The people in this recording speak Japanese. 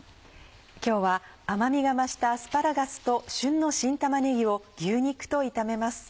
今日は甘みが増したアスパラガスと旬の新玉ねぎを牛肉と炒めます。